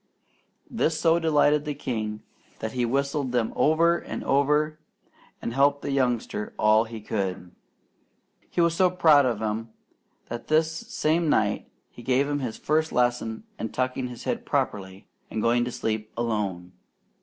This so delighted the king that he whistled them over and over and helped the youngster all he could. He was so proud of him that this same night he gave him his first lesson in tucking his head properly and going to sleep alone.